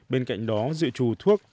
bên cạnh đó dự trù thuốc